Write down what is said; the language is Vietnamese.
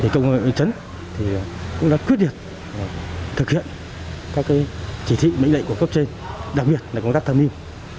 công nghệ ứng chấn cũng đã quyết định thực hiện các chỉ trị mệnh lệnh của cấp trên đặc biệt là công tác tham mưu